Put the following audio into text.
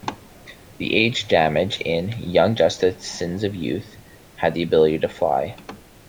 The aged Damage in "Young Justice: Sins of Youth" had the ability to fly.